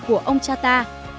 của ông cha ta